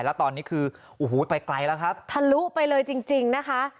แล้วตอนนี้คือโอ้โหไปไกลแล้วครับทะลุไปเลยจริงจริงนะคะ